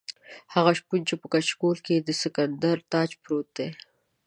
هغه شپون چې په کچکول کې یې د سکندر تاج پروت دی.